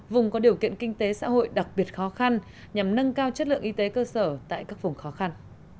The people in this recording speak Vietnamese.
vùng có điều kiện kinh tế xã hội đặc biệt khó khăn nhằm nâng cao chất lượng y tế cơ sở tại các vùng khó khăn